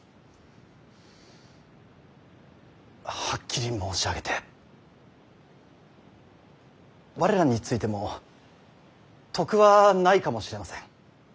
はっきり申し上げて我らについても得はないかもしれません。